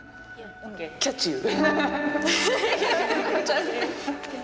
キャッチユー。